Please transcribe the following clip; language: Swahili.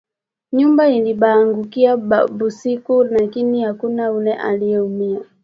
Nyumba ilibaangukia busiku lakini akuna ule aliumiya